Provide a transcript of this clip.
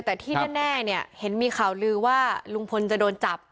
แต่ที่แน่เนี่ยเห็นมีข่าวลือว่าลุงพลจะโดนจับ